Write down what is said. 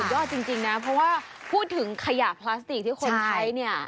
ยอดจริงนะเพราะว่าพูดถึงขยะพลาสติกที่คนใช้เนี่ย